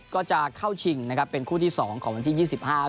ก็จะเข้าชิงนะครับเป็นคู่ที่สองของวันที่๒๕คือวันอาทิตย์